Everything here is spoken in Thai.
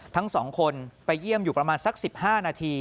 ทั้ง๒คนไปเยี่ยมอยู่ประมาณสัก๑๕นาที